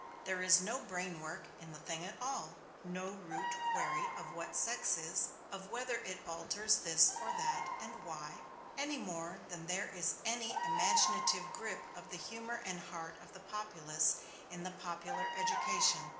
There is no brain work in the thing at all; no root query of what sex is, of whether it alters this or that, and why, anymore than there is any imaginative grip of the humor and heart of the populace in the popular education.